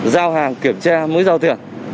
giao hàng kiểm tra mới giao tiền